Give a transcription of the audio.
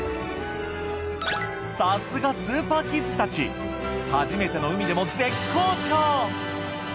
さすがスーパーキッズたち初めての海でも絶好調！